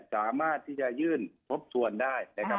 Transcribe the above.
สามารถที่จะยื่นทบทวนได้นะครับ